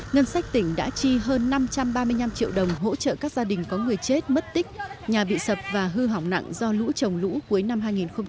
ngân sách tỉnh đã chi hơn năm trăm ba mươi năm triệu đồng hỗ trợ các gia đình có người chết mất tích nhà bị sập và hư hỏng nặng do lũ trồng lũ cuối năm hai nghìn một mươi tám